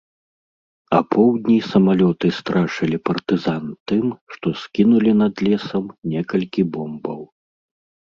Апоўдні самалёты страшылі партызан тым, што скінулі над лесам некалькі бомбаў.